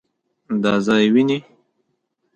دا ځای وينې؟